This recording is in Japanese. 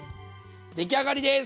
出来上がりです！